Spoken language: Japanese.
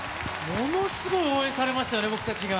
ものすごい応援されましたよね、僕たちが。